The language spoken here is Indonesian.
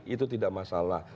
itu tidak masalah